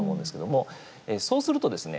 そうするとですね